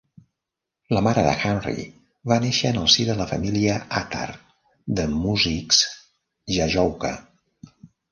La mare de Hamri va néixer en el si de la família Attar, de músics jajouka.